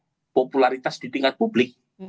nah kalau misalnya popularitas di tingkat publik